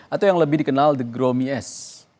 atau yang lebih dikenal the gromies